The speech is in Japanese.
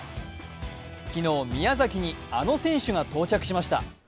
昨日、宮崎にあの選手が到着しました。